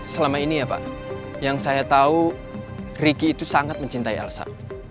selama ini ya pak yang saya tahu ricky itu sangat mencintai elsa